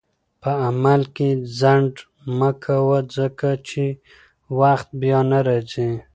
په عمل کې ځنډ مه کوه، ځکه چې وخت بیا نه راځي.